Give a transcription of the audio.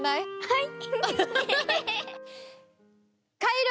はい！